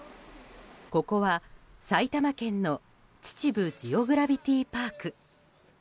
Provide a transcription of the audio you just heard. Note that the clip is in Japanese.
ここは埼玉県の秩父ジオグラビティパーク。